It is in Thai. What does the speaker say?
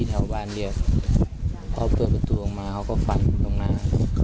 จะเอาเปิดประตูลงมาเขาก็ฟันตรงหน้า